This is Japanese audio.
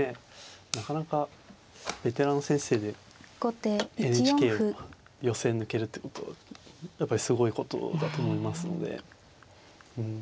なかなかベテランの先生でＮＨＫの予選抜けるってことはやっぱりすごいことだと思いますので。